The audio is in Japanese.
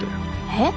えっ？